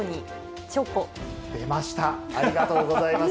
出ました、ありがとうございます。